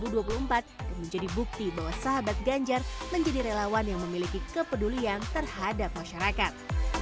dan menjadi bukti bahwa sahabat ganjar menjadi relawan yang memiliki kepedulian terhadap masyarakat